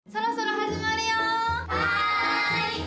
はい！